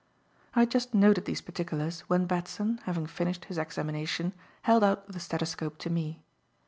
I had just noted these particulars when Batson, having finished his examination, held out the stethoscope to me.